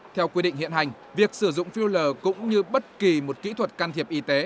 theo quy định hiện hành việc sử dụng filler cũng như bất kỳ một kỹ thuật can thiệp y tế